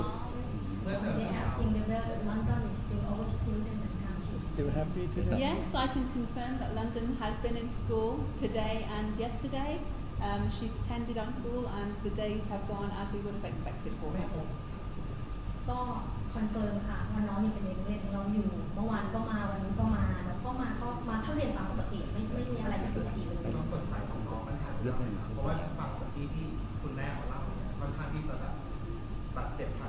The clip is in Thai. ก็คอนเฟิร์นค่ะว่าน้องมีเป็นเด็กน้องอยู่เมื่อวานก็มาวันนี้ก็มา